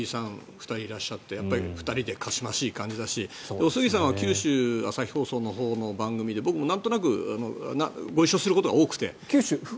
２人いらっしゃって２人でかしましい感じだしおすぎさんは九州朝日放送の番組で僕もなんとなくご一緒することが多くて。